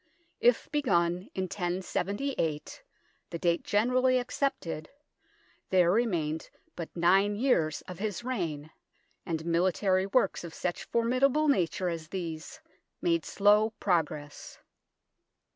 If begun in 1078, the date generally accepted, there remained but nine years of his reign, and military works of such formid able nature as these made slow progress.